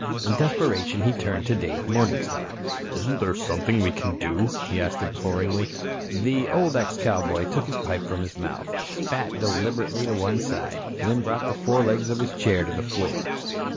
In desperation he turned to Dave Morningstar. "Isn't there something we can do?" he asked imploringly. The old ex cowboy took his pipe from his mouth, spat deliberately to one side, then brought the forelegs of his chair to the floor.